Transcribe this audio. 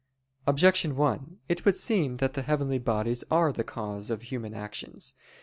Objection 1: It would seem that the heavenly bodies are the cause of human actions.